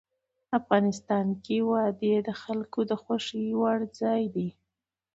افغانستان کې وادي د خلکو د خوښې وړ ځای دی.